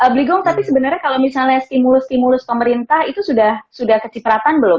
bligong tapi sebenarnya kalau misalnya stimulus stimulus pemerintah itu sudah kecipratan belum